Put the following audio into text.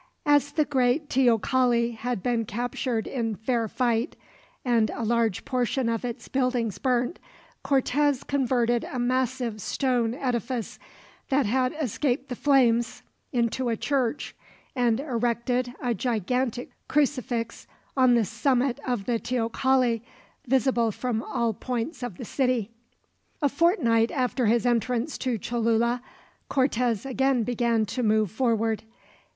As the great teocalli had been captured in fair fight, and a large portion of its buildings burnt, Cortez converted a massive stone edifice that had escaped the flames into a church, and erected a gigantic crucifix on the summit of the teocalli, visible from all points of the city. A fortnight after his entrance to Cholula, Cortez again began to move forward.